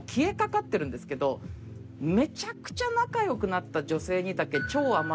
めちゃくちゃ仲よくなった女性にだけ。